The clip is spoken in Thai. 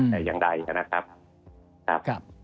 แต่อย่างใดนะครับ